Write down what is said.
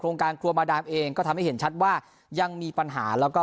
การครัวมาดามเองก็ทำให้เห็นชัดว่ายังมีปัญหาแล้วก็